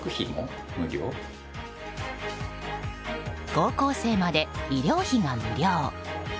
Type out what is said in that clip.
高校生まで医療費が無料。